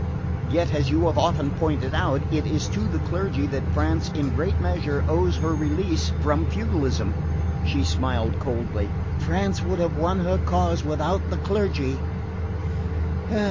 "Yet, as you have often pointed out, it is to the clergy that France in great measure owes her release from feudalism." She smiled coldly. "France would have won her cause without the clergy!"